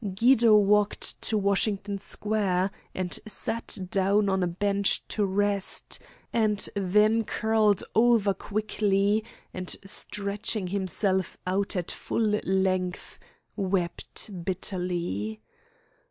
Guido walked to Washington Square, and sat down on a bench to rest, and then curled over quickly, and stretching himself out at full length, wept bitterly.